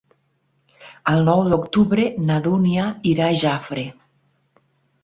El nou d'octubre na Dúnia irà a Jafre.